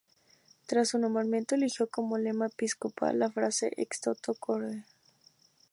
Tras su nombramiento eligió como lema episcopal, la frase "Ex toto corde".